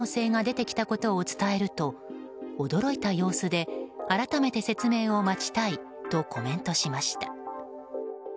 ところが今日、再び返還を求められる可能性が出てきたことを伝えると驚いた様子で改めて説明を待ちたいとコメントしました。